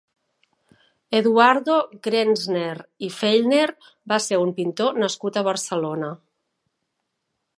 Eduardo Grenzner i Fellner va ser un pintor nascut a Barcelona.